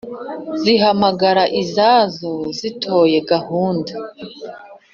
Zihamagara izazo, Zitoye gahunda,